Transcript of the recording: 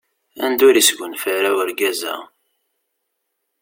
Anda ur isgunfa ara urgaz-a?